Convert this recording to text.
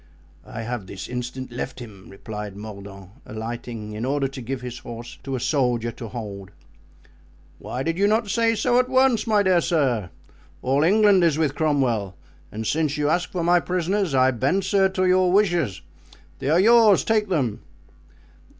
"I have this instant left him," replied Mordaunt, alighting, in order to give his horse to a soldier to hold. "Why did you not say so at once, my dear sir! all England is with Cromwell; and since you ask for my prisoners, I bend, sir, to your wishes. They are yours; take them."